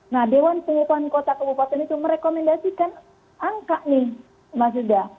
nah dewan pengupahan kota kabupaten itu merekomendasikan angka nih mas yuda